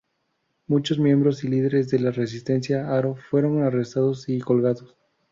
Muchos miembros y líderes de la resistencia aro fueron arrestados y colgados.